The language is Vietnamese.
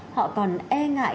họ còn e ngại